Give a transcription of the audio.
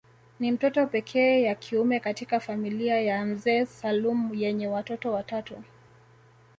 Ni mtoto pekee ya kiume katika familia ya mzee Salum yenye watoto watatu